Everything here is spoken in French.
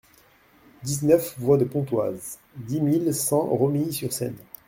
dix-neuf voie de Pontoise, dix mille cent Romilly-sur-Seine